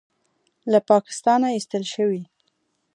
له پاکستانه ایستل شوی